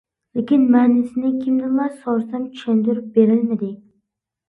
لېكىن، مەنىسىنى كىمدىنلا سورىسام چۈشەندۈرۈپ بېرەلمىدى.